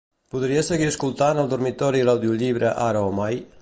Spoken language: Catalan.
Podria seguir escoltant al dormitori l'audiollibre "Ara o mai"?